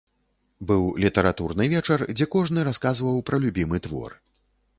Быў літаратурны вечар, дзе кожны расказваў пра любімы твор.